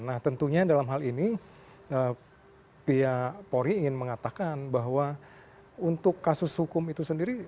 nah tentunya dalam hal ini pihak polri ingin mengatakan bahwa untuk kasus hukum itu sendiri